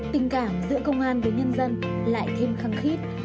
tình cảm giữa công an với nhân dân lại thêm khăng khít